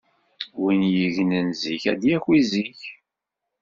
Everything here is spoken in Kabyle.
Win yegnen zik ad d-yaki zik.